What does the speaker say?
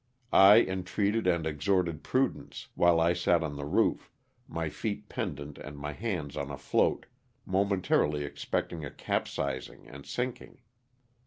I entreated and exhorted prudence, while I sat on the roof, my feet pendant and my hands on a float, momentarily expecting a capsizing and sinking.